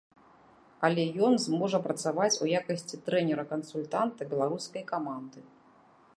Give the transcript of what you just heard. Але ён зможа працаваць у якасці трэнера-кансультанта беларускай каманды.